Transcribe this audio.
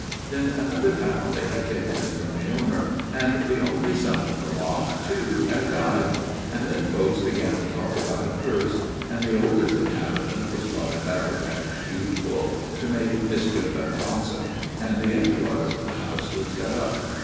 Then another family had taken it from the owner ; and the only son of the lot too had died ; and then folks began to talk about a curse ; and the oldest inhabitant was trotted out as usual to make mischief and gossip ; and the end was the house was shut up.